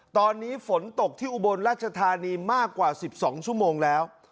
ตอนนี้ฝนตกที่อุบลราชธานีมากกว่า๑๒ชั่วโมงแล้ว